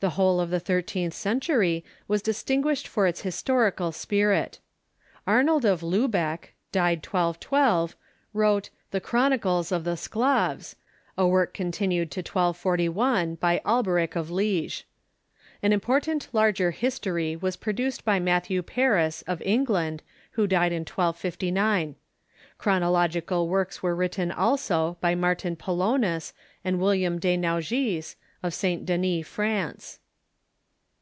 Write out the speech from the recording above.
The whole of Historians ,,.,,•■.,,,.,. the thirteenth century was distinguished for its his torical spirit. Arnold of Liibeck (died 1212) wrote the " Chron icles of the Sclaves," a work continued to 1241 by Alberich of Liege. An important larger history Avas produced by Mat thew Paris, of England, who died in 1259. Chronological works were written also by Martin Polonus and William de Naugis, of St. Denis, France.